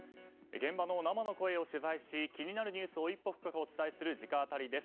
現場の生の声を取材し気になるニュースを一歩深くお伝えする直アタリです。